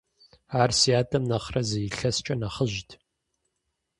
Ар си адэм нэхърэ зы илъэскӀэ нэхъыжьт.